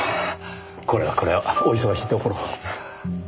これはこれはお忙しいところ。